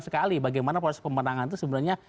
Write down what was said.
sekali bagaimana proses pemenangan itu sebenarnya